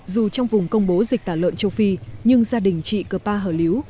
dù trong vùng công bố dịch tả lợn châu phi nhưng gia đình chị cơ pa hở liếu